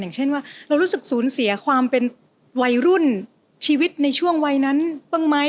เช่นว่าเรารู้สึกสูญเสียความเป็นวัยรุ่นชีวิตในช่วงวัยนั้นบ้างไหม